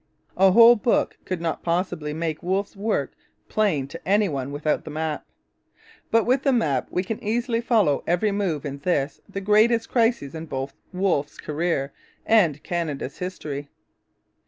A whole book could not possibly make Wolfe's work plain to any one without the map. But with the map we can easily follow every move in this, the greatest crisis in both Wolfe's career and Canada's history.